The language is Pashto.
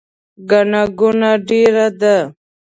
ګڼه ګوڼه ډیره ده